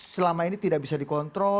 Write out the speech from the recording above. selama ini tidak bisa dikontrol